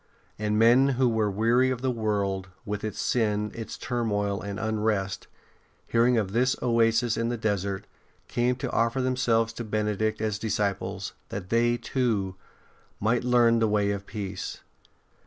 And men who were weary of the world, with its sin, its turmoil and unrest, hearing of this oasis in the desert, came to offer themselves to Benedict as disciples, that they, too, might learn the way of peace.